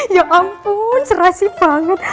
ya ampun serasi banget